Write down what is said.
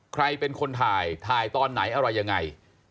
ใครเป็นคนถ่ายถ่ายตอนไหนอะไรยังไง